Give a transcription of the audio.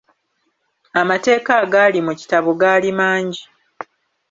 Amateeka agaali mu kitabo gaali mangi.